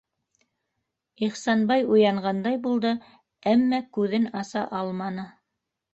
- Ихсанбай уянғандай булды, әммә күҙен аса алманы.